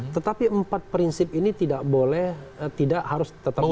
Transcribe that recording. tetapi empat prinsip ini tidak boleh tidak harus tetap berjalan